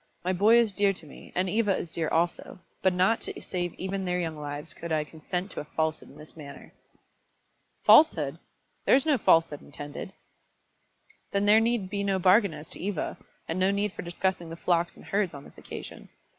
My boy is dear to me, and Eva is dear also, but not to save even their young lives could I consent to a falsehood in this matter." "Falsehood! There is no falsehood intended." "Then there need be no bargain as to Eva, and no need for discussing the flocks and herds on this occasion.